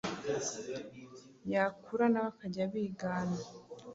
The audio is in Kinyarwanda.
yakura nawe akajya abigana